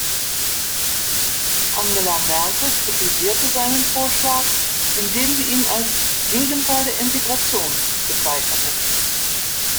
Angela Merkel kritisierte seinen Vorschlag, indem sie ihn als „Gegenteil der Integration“ bezeichnete.